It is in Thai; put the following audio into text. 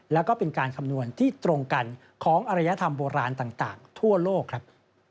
แล้วก็เป็นการคำนวณที่ตรงกันของอรยธรรมโบราณต่างทั่วโลกครับ